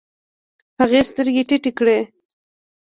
هغې سترګې ټيټې کړې.